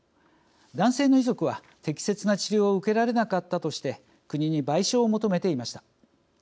男性の遺族は適切な治療を受けられなかったとして国に賠償を求めていました。